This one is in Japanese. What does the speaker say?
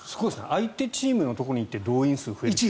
相手チームのところに行って動員数が増えるって。